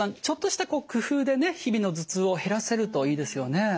ちょっとした工夫でね日々の頭痛を減らせるといいですよね。